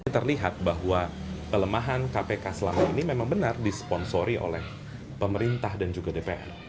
terlihat bahwa pelemahan kpk selama ini memang benar disponsori oleh pemerintah dan juga dpr